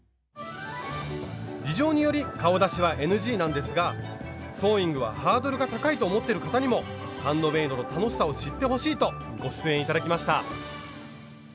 事情により顔出しはＮＧなんですがソーイングはハードルが高いと思ってる方にもハンドメイドの楽しさを知ってほしいとご出演頂きました。